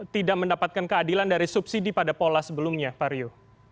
tidak mendapatkan keadilan dari subsidi pada pola sebelumnya pak rio